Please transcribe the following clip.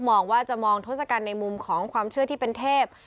มองว่าจะมองทศกัณฐ์ในมุมของความเชื่อที่เป็นเทพ